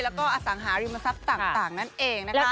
แล้วก็อสังหาริมทรัพย์ต่างนั่นเองนะคะ